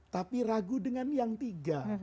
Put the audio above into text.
tapi ragu dengan yang tiga